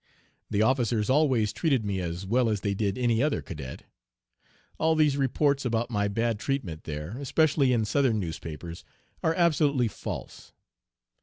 The officers always treated me as well as they did any other cadet. All these reports about my bad treatment there, especially in Southern newspapers, are absolutely false.